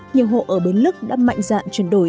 nhiều hộ ở bến lức đã mạnh dạn chuyển đổi